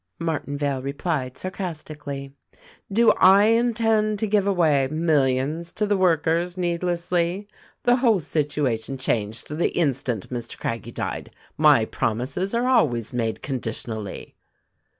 Martinvale replied sarcastically, "Do I intend to give away millions to the workers needlessly? The whole situa tion changed the instant Mr. Craggie died. My promises are always made conditionally."